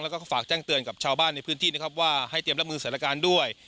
แล้วก็ฝากแจ้งเตือนกับชาวบ้านในพื้นที่นะครับว่าให้เตรียมรับมือสถานการณ์ด้วย